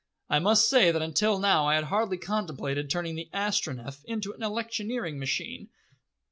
"I must say that until just now I had hardly contemplated turning the Astronef into an electioneering machine.